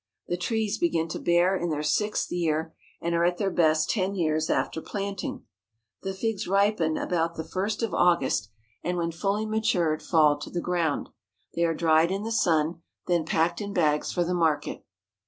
The trees begin to bear in their sixth year, and are at their best ten years after planting. The figs ripen about the first of August, and 269 THE HOLY LAND AND SYRIA when fully matured fall to the ground. They are dried in the sun, then packed in bags for the market.